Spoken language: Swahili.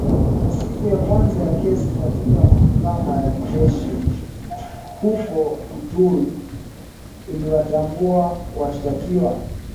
Siku ya kwanza ya kesi katika mahakama ya kijeshi huko Ituri iliwatambua washtakiwa